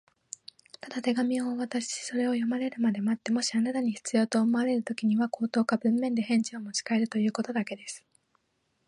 「ただ手紙をお渡しし、それを読まれるまで待って、もしあなたに必要と思われるときには、口頭か文面で返事をもちかえるということだけです」